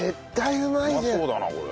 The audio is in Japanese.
うまそうだなこれ。